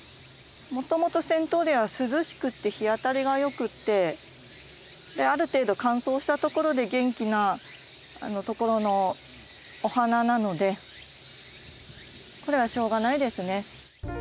もともとセントーレアは涼しくて日当たりがよくてある程度乾燥したところで元気なところのお花なのでこれはしょうがないですね。